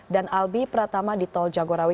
dan albi pratama di tol jagorawi